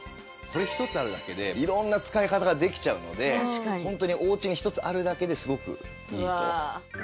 これ１つあるだけで色んな使い方ができちゃうので本当におうちに１つあるだけですごくいいと。